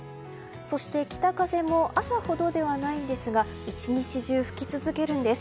そして、北風も朝ほどではないんですが１日中吹き続けるんです。